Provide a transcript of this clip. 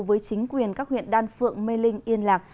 với chính quyền các huyện đan phượng mê linh yên lạc